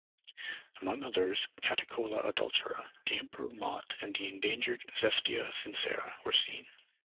Among others, "Catocala adultera", the emperor moth, and the endangered "Xestia sincera" were seen.